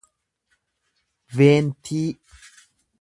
veentii